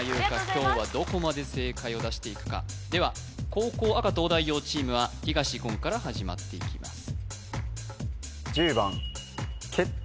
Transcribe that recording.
今日はどこまで正解を出していくかでは後攻赤東大王チームは東言から始まっていきます